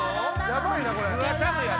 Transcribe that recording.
ヤバいなこれ。